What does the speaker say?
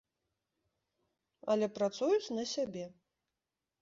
Але працуюць на сябе.